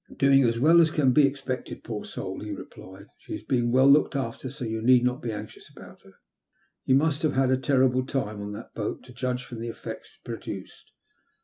" Doing as well as can be expected, poor soul," he replied. *' She's being well looked after, so you need not be anxious about her. You must have had a terrible time in that boat, to judge from the effects produced.